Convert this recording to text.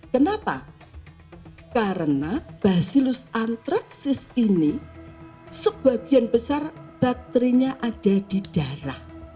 kenapa karena basilus antraksis ini sebagian besar bakterinya ada di darah